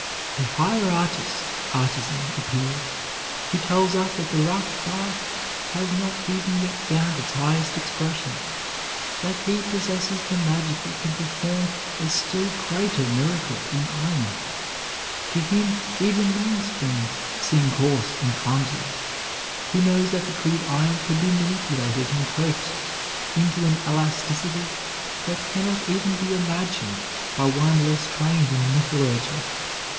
A higher artist artisan appears, who tells us that the rough bar has not even yet found its highest expression; that he possesses the magic that can perform a still greater miracle in iron. To him, even main springs seem coarse and clumsy. He knows that the crude iron can be manipulated and coaxed into an elasticity that can not even be imagined by one less trained in metallurgy.